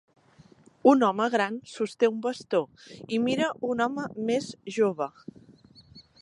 Un home gran sosté un bastó i mira un home més jove.